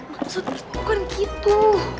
maksudnya bukan gitu